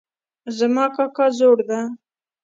زما کاکا زوړ ده